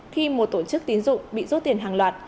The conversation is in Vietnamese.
khi một tổ chức tín dụng bị rốt tiền hàng loạt